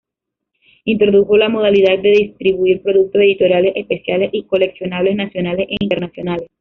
Introdujo la modalidad de distribuir productos editoriales especiales y coleccionables nacionales e internacionales.